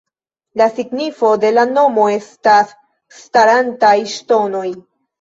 La signifo de la nomo estas ""starantaj ŝtonoj"".